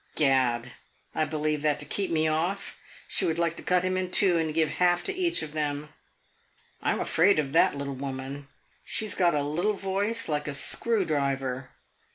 Gad, I believe that to keep me off she would like to cut him in two and give half to each of them! I 'm afraid of that little woman. She has got a little voice like a screw driver.